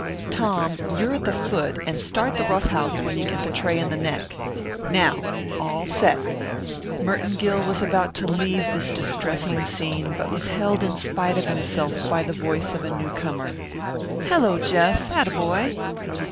Tom, you're at the foot and start the rough house when you get the tray in the neck. Now, all set." Merton Gill was about to leave this distressing scene but was held in spite of himself by the voice of a newcomer. "Hello, Jeff! Atta boy!"